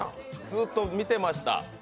ずっと見てました。